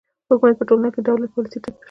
حکومت په ټولنه کې د دولت پالیسي تطبیقوي.